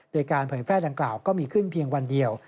โดยการเผยแพร่ดังกล่าวก็มีขึ้นเพียงวันเดียว